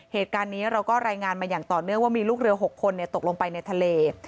เหตุการณ์นี้เราก็รายงานมาอย่างต่อเนื่องว่ามีลูกเรือ๖คนตกลงไปในทะเล